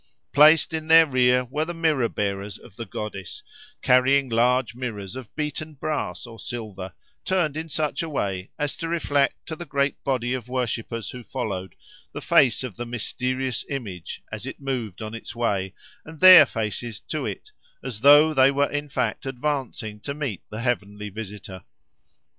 Placed in their rear were the mirror bearers of the goddess, carrying large mirrors of beaten brass or silver, turned in such a way as to reflect to the great body of worshippers who followed, the face of the mysterious image, as it moved on its way, and their faces to it, as though they were in fact advancing to meet the heavenly visitor.